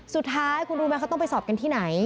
สุดท้ายคุณรู้ไหมเขาต้องไปสอบกันที่ไหน